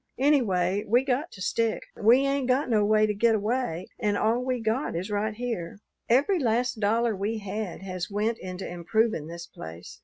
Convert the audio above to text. Anyway, we got to stick. We ain't got no way to get away and all we got is right here. Every last dollar we had has went into improvin' this place.